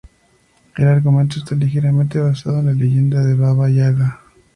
El argumento está ligeramente basado en la leyenda de "Baba Yaga".